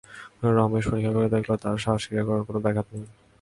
রমেশ পরীক্ষা করিয়া দেখিল, তাহার শ্বাসক্রিয়ার আর কোনো ব্যাঘাত নাই।